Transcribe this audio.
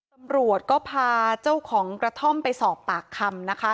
ตำรวจก็พาเจ้าของกระท่อมไปสอบปากคำนะคะ